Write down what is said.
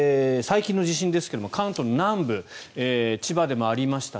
そして、最近の地震ですが関東の南部千葉でもありました。